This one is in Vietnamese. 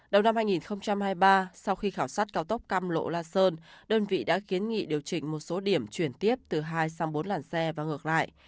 đầu năm hai nghìn hai mươi ba sau khi khảo sát cao tốc cam lộ la sơn đơn vị đã kiến nghị điều chỉnh một số điểm chuyển tiếp từ hai sang bốn làn xe và ngược lại